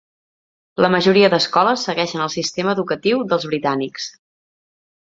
La majoria d'escoles segueixen el sistema educatiu dels britànics.